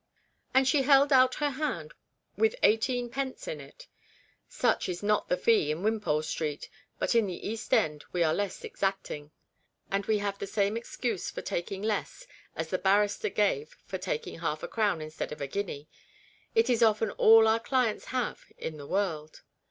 And she held out her hand, with eighteenpence in it. Such is not the fee in Wimpole Street, but in the East End we are less exacting ; and we have the same excuse for taking less as the barrister gave for taking half a crown instead of a guinea ; it is often all our clients have in the world.